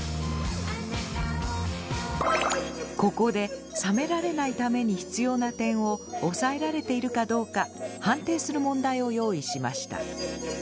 ここで冷められないために必要な点をおさえられているかどうか判定する問題を用意しました。